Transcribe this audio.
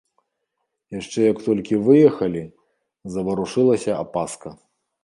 Яшчэ як толькі выехалі, заварушылася апаска.